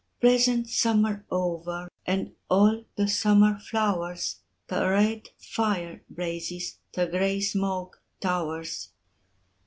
Pleasant summer over And all the summer flowers, The red fire blazes, The grey smoke towers.